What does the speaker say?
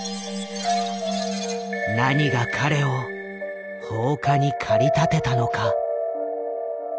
何が彼を放火に駆り立てたのか。